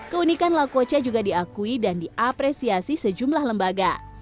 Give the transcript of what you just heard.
keunikan laku oca juga diakui dan diapresiasi sejumlah lembaga